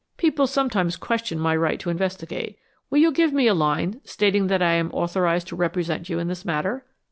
People sometimes question my right to investigate. Will you give me a line stating that I am authorized to represent you in this matter?"